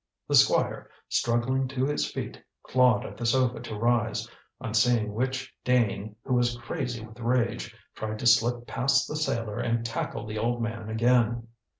The Squire, struggling to his feet, clawed at the sofa to rise, on seeing which Dane, who was crazy with rage, tried to slip past the sailor and tackle the old man again.